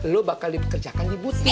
lu bakal dikerjakan di butik